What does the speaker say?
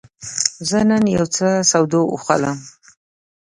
زه نن یوڅه سودا اخلم.